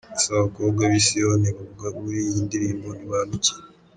Ese Abakobwa b’i Siyoni bavugwa muri iyi ndirimbo ni bantu ki? .